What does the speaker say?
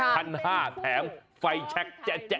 ทันห้าแถมไฟแช็กแจ๊ะแจ๊ะ